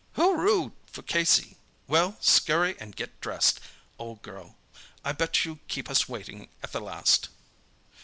"Hooroo for Casey! Well, scurry and get dressed, old girl. I bet you keep us waiting at the last."